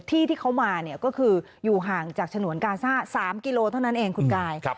ที่เขามาเนี่ยก็คืออยู่ห่างจากฉนวนกาซ่า๓กิโลเท่านั้นเองคุณกาย